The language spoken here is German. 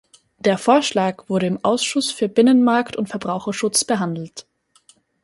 Der Vorschlag wurde im Ausschuss für Binnenmarkt und Verbraucherschutz behandelt.